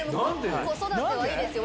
子育てはいいですよ